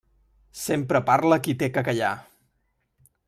Sempre parla qui té què callar.